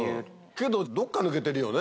けどどっか抜けてるよね。